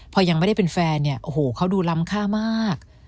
พอยังไม่ได้เป็นแฟนเนี่ยโอ้โหเขาดูล้ำค่ามาก